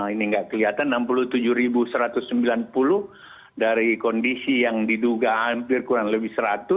ini nggak kelihatan enam puluh tujuh satu ratus sembilan puluh dari kondisi yang diduga hampir kurang lebih seratus